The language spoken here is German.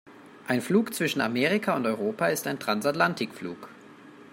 Ein Flug zwischen Amerika und Europa ist ein Transatlantikflug.